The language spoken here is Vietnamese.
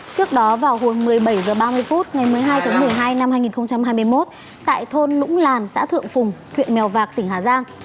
trước đó vào hồi một mươi bảy h ba mươi phút ngày một mươi hai tháng một mươi hai năm hai nghìn hai mươi một tại thôn lũng làn xã thượng phùng huyện mèo vạc tỉnh hà giang